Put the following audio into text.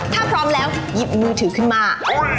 ถ้าพร้อมแล้วหยิบมือถือขึ้นมา